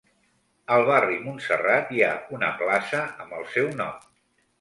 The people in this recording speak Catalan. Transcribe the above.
Al Barri Montserrat hi ha una plaça amb el seu nom.